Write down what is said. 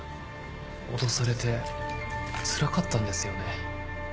脅されてつらかったんですよね。